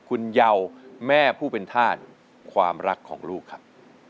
คุณเยาแม่ผู้เป็นธาตุความรักของลูกครับ